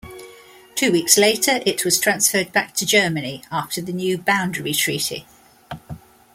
Two weeks later, it was transferred back to Germany after the new Boundary Treaty.